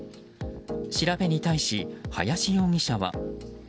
調べに対し、林容疑者は。